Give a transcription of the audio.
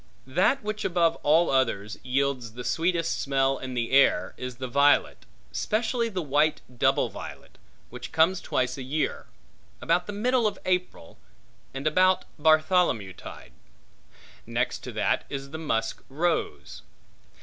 That which above all others yields the sweetest smell in the air is the violet, specially the white double violet, which comes twice a year; about the middle of April, and about Bartholomew tide. Next to that is the musk rose.